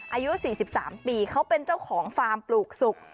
อายุ๔๓ปีเขาเป็นเจ้าของฟาร์มปลูกสุก